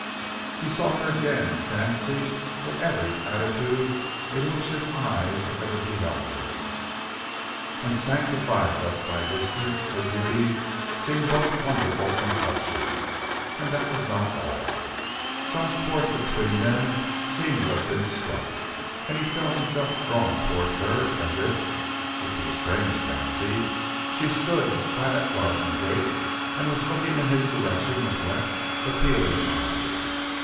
He saw her again in fancy in every attitude in which his eyes had ever beheld her, and sanctified thus by distance, her beauty seemed both wonderful and touching. And that was not all. Some chord between them seemed to have been struck, and he felt himself drawn towards her as if (it was a strange fancy) she stood by that garden gate, and was looking in his direction with rapt, appealing eyes.